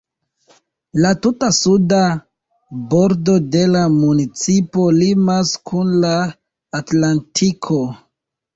La tuta suda bordo de la municipo limas kun la Atlantiko.